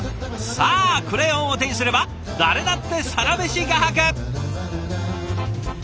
さあクレヨンを手にすれば誰だってサラメシ画伯！